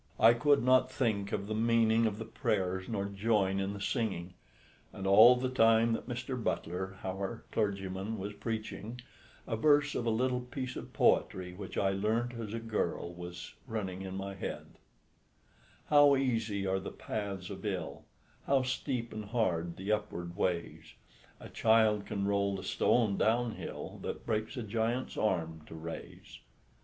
I could not think of the meaning of the prayers nor join in the singing: and all the time that Mr. Butler, our clergyman, was preaching, a verse of a little piece of poetry which I learnt as a girl was running in my head: "How easy are the paths of ill; How steep and hard the upward ways; A child can roll the stone down hill That breaks a giant's arm to raise."